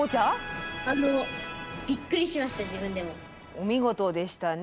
お見事でしたね。